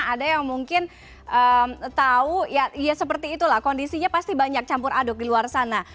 ada yang mungkin tahu ya seperti itulah kondisinya pasti banyak campur aduk di luar sana